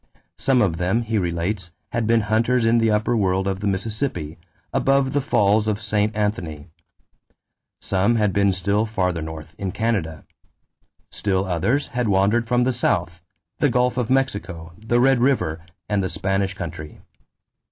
Some of them, he relates, had been hunters in the upper world of the Mississippi, above the falls of St. Anthony. Some had been still farther north, in Canada. Still others had wandered from the South the Gulf of Mexico, the Red River, and the Spanish country.